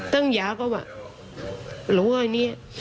ตรงย่าก็ว่าหลูกขับนี้